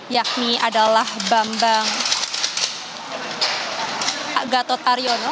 yakni adalah mbak banggatot aryono